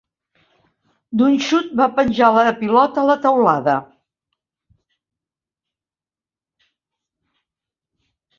D'un xut va penjar la pilota a la teulada.